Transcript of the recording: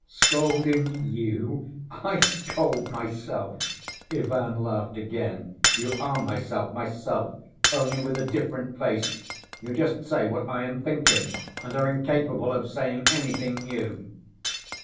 "Scolding you, I scold myself," Ivan laughed again, "you are myself, myself, only with a different face. You just say what I am thinking ... and are incapable of saying anything new!"